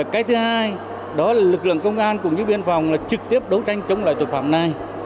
cái thứ hai đó là lực lượng công an cùng với biên phòng trực tiếp đấu tranh chống lại tội phạm này